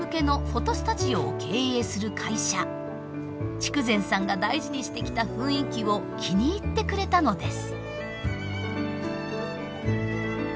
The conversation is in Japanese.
筑前さんが大事にしてきた雰囲気を気に入ってくれたのです。